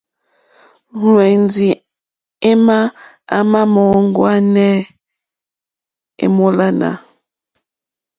Lwɛ̌ndì émá à mà mòóŋwánê èmólánà.